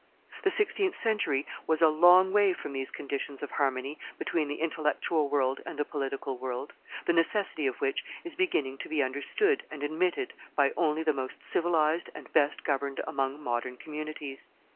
The sixteenth century was a long way from these conditions of harmony between the intellectual world and the political world, the necessity of which is beginning to be understood and admitted by only the most civilized and best governed amongst modern communities.